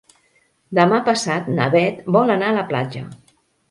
Demà passat na Bet vol anar a la platja.